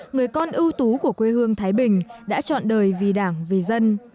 người con ưu tú của quê hương thái bình đã chọn đời vì đảng vì dân